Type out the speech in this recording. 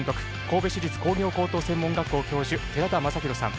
神戸市立工業高等専門学校教授寺田雅裕さん。